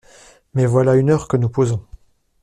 Mais voilà une heure que nous posons !